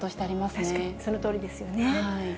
確かにそのとおりですよね。